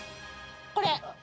これ。